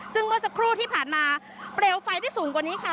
ซึ่งเมื่อสักครู่ที่ผ่านมาเปลวไฟที่สูงกว่านี้ค่ะ